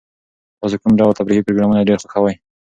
تاسو کوم ډول تفریحي پروګرامونه ډېر خوښوئ؟